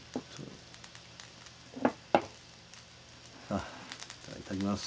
あいただきます。